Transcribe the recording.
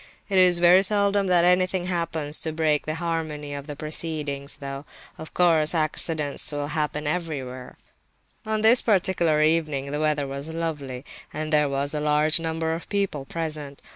It is very seldom that anything happens to break the harmony of the proceedings, though, of course, accidents will happen everywhere. On this particular evening the weather was lovely, and there were a large number of people present.